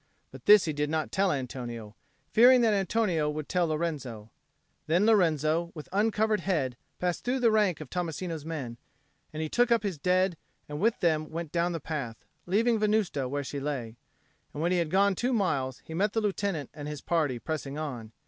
But this he did not tell Antonio, fearing that Antonio would tell Lorenzo. Then Lorenzo, with uncovered head, passed through the rank of Tommasino's men; and he took up his dead, and with them went down the path, leaving Venusta where she lay. And when he had gone two miles, he met the Lieutenant and his party, pressing on.